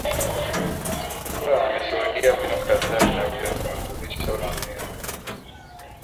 kuwa ameshuhudia vinu kadhaa vinavyorutubisha uranium